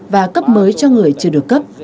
và cấp mới cho người chưa được cấp